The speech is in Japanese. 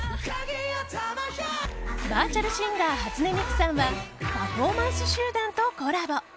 バーチャルシンガー初音ミクさんはパフォーマンス集団とコラボ。